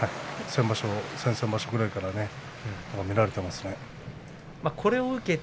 先場所、先々場所くらいから見られていますね。